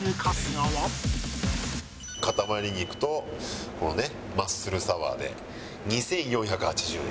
塊肉とこのねマッスルサワーで２４８０円。